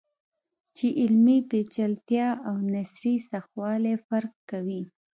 چې علمي پیچلتیا او نثري سختوالی فرق کوي.